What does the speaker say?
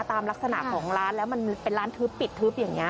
ตามลักษณะของร้านแล้วมันเป็นร้านทึบปิดทึบอย่างนี้